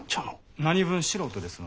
何分素人ですので。